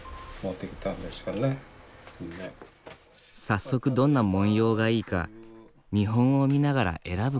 早速どんな文様がいいか見本を見ながら選ぶことに。